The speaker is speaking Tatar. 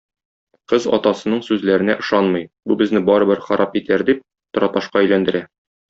Кыз атасының сүзләренә ышанмый, бу безне барыбер харап итәр дип, тораташка әйләндерә.